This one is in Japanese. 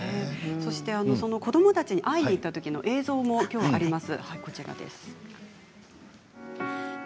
子どもたちに会いに行ったときの映像もあります。